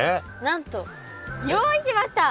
なんと用意しました。